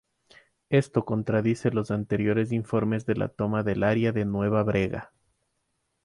Esto contradice los anteriores informes de la toma del área de Nueva Brega.